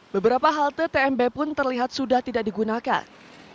beberapa halte tmb pun terlihat sudah tidak digunakan